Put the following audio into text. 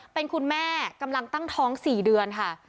เป็นคุณแม่กำลังตั้งท้อง๔เดือนค่ะ